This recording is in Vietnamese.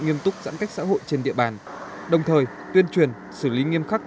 nghiêm túc giãn cách xã hội trên địa bàn đồng thời tuyên truyền xử lý nghiêm khắc